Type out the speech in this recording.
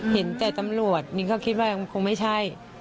เห็นแต่ตำรวจมินก็คิดว่าคงไม่ใช่